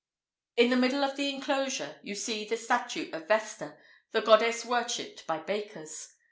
[IV 64] In the middle of the inclosure you see the statue of Vesta, the goddess worshipped by bakers.